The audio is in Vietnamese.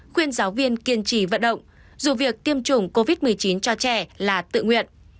khuyên giáo viên kiên trì vận động dù việc tiêm chủng covid một mươi chín cho trẻ là tự nguyện